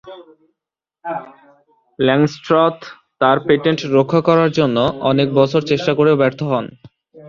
ল্যাংস্ট্রথ তার পেটেন্ট রক্ষার জন্য অনেক বছর চেষ্টা করেও ব্যর্থ হন।